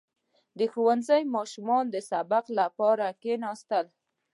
• د ښوونځي ماشومانو د سبق لپاره کښېناستل.